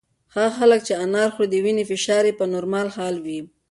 هغه خلک چې انار خوري د وینې فشار یې په نورمال حال وي.